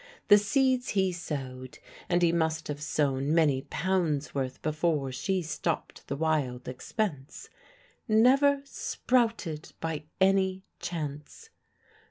The seeds he sowed and he must have sown many pounds' worth before she stopped the wild expense never sprouted by any chance.